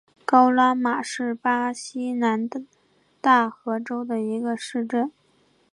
高拉马是巴西南大河州的一个市镇。